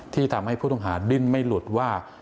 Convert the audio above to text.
ที่ทำให้ผู้ต้องหาดิ้นไม่หลุดว่า